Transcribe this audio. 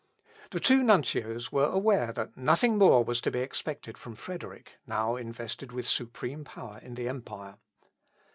The two nuncios were aware that nothing more was to be expected from Frederick, now invested with supreme power in the empire.